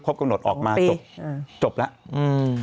ครบกำหนดออกมาจบจบแล้ว